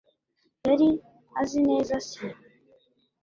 Yari azi neza se?